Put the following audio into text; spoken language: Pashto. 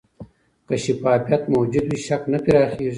که شفافیت موجود وي، شک نه پراخېږي.